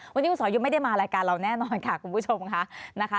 วันนี้คุณสอยุทธ์ไม่ได้มารายการเราแน่นอนค่ะคุณผู้ชมค่ะนะคะ